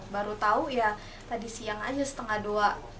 baru tahu ya tadi siang aja setengah dua